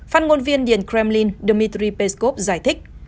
phát ngôn viên điện kremlin dmitry peskov giải thích